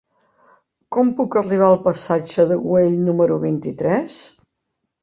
Com puc arribar al passatge de Güell número vint-i-tres?